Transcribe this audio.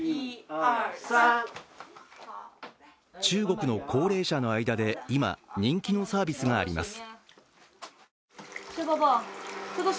中国の高齢者の間で今人気のサービスがあります。